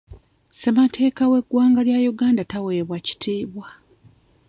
Ssemateeka w'eggwanga lya Uganda taweebwa kitiibwa.